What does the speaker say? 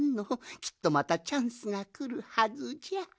きっとまたチャンスがくるはずじゃ。